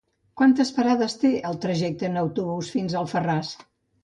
Quantes parades té el trajecte en autobús fins a Alfarràs?